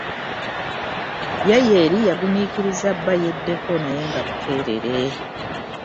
Yayeri yaguminkiriza bba yeddeko naye nga buteerere.